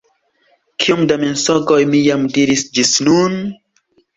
Kiom da mensogoj mi jam diris ĝis nun?